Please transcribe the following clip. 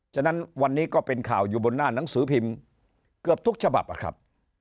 จึงวันนี้เป็นข่าวบนหน้านังสือพิมพ์เกือบทุกฉบับ